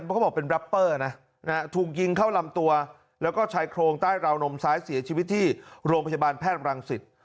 เพราะเขาบอกเป็นแรปเปอร์นะถูกยิงเข้าลำตัวแล้วก็ชายโครงใต้ราวนมซ้ายเสียชีวิตที่โรงพยาบาลแพทย์รังสิต